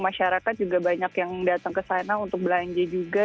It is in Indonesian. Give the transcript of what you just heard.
masyarakat juga banyak yang datang ke sana untuk belanja juga